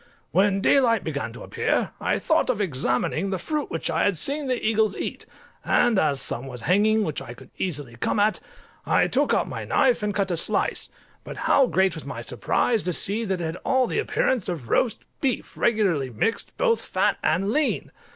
When daylight began to appear, I thought of examining the fruit which I had seen the eagles eat, and as some was hanging which I could easily come at, I took out my knife and cut a slice; but how great was my surprise to see that it had all the appearance of roast beef regularly mixed, both fat and lean!